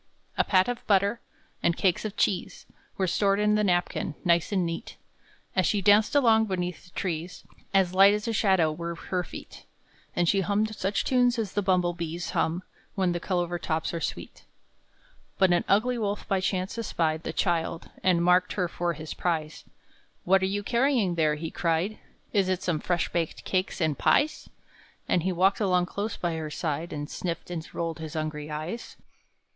A pat of butter, and cakes of cheese, Were stored in the napkin, nice and neat; As she danced along beneath the trees, As light as a shadow were her feet; And she hummed such tunes as the bumble bees Hum when the clover tops are sweet. But an ugly wolf by chance espied The child, and marked her for his prize. "What are you carrying there?" he cried; "Is it some fresh baked cakes and pies?" And he walked along close by her side, And sniffed and rolled his hungry eyes.